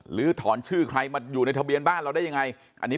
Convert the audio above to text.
หรือถอนชื่อใครมาอยู่ในทะเบียนบ้านเราได้ยังไงอันนี้